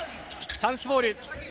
チャンスボール